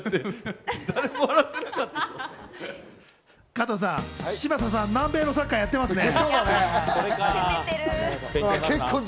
加藤さん、嶋佐さん、南米のサッカーやってますね。